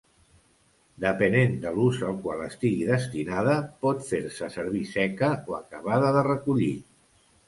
Depenent de l'ús al qual estigui destinada pot fer-se servir seca o acabada de recollir.